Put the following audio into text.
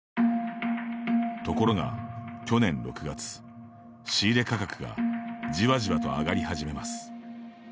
ところが去年６月、仕入れ価格がじわじわと上がり始めます。